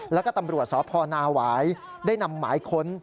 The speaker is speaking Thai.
แล้วก็ตำรวจสพนาหวายได้นำหมายค้น